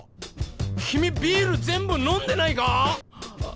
君ビール全部飲んでないか？